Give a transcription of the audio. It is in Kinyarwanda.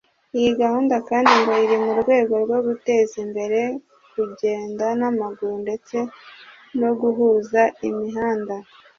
Iyi gahunda kandi ngo iri mu rwego rwo guteza imbere kugenda n’amaguru ndetse no guhuza imihanda